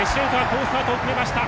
好スタートを決めました。